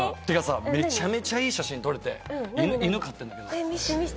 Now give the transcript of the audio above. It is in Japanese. めちゃめちゃいい写真撮れて、犬飼っているんだけど。